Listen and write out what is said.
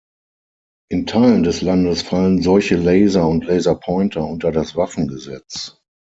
In Teilen des Landes fallen solche Laser und Laserpointer unter das Waffengesetz.